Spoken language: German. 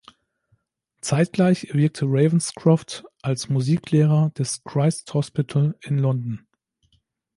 Zeitgleich wirkte Ravenscroft als Musiklehrer des Christ's Hospital in London.